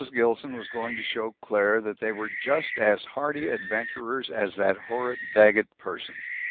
Gilson was going to show Claire that they were just as hardy adventurers as that horrid Daggett person.